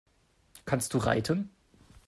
Kannst du reiten?